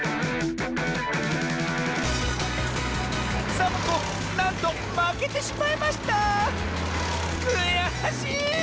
サボ子なんとまけてしまいましたくやしい！